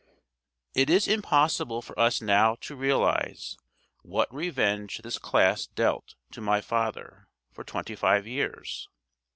It is impossible for us now to realize what revenge this class dealt to my father for twenty five years.